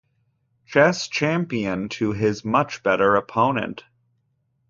Chess Champion to his much-better opponent.